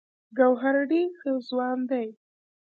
ګوهر ډې ښۀ ځوان دی